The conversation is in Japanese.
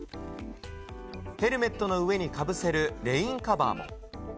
ヘルメットの上にかぶせるレインカバーも。